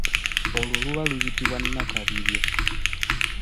Olwo luba luyitibwa nnakabirye.